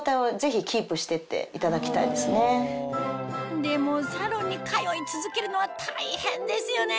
でもサロンに通い続けるのは大変ですよね